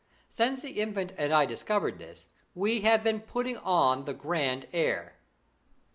Since the Infant and I discovered this we have been putting on the grand air.